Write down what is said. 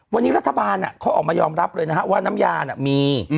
วันนี้รัฐบาลเขาออกมายอมรับเลยนะฮะว่าน้ำยาน่ะมี